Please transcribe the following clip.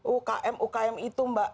ukm ukm itu mbak